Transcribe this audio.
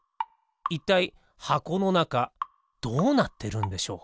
いったいはこのなかどうなってるんでしょう？